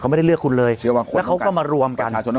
ไม่ได้เลือกคุณเลยแล้วเขาก็มารวมกัน